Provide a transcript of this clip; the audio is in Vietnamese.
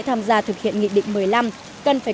tham gia thực hiện nghị định một mươi năm cần phải